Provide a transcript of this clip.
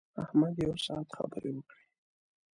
احمد یو ساعت خبرې وکړې.